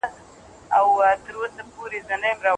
هغه کس زموږ څخه ندی، چي د بادار په وړاندي خادم پاروي.